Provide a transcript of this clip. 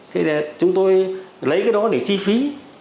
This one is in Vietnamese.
thế là chúng tôi lấy cái đó để chi phí